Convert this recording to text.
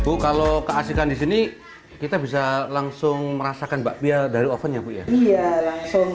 bu kalau keasikan di sini kita bisa langsung merasakan bakpia dari ovennya iya langsung